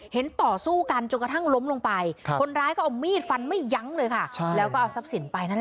ต่อสู้กันจนกระทั่งล้มลงไปคนร้ายก็เอามีดฟันไม่ยั้งเลยค่ะแล้วก็เอาทรัพย์สินไปนั่นแหละ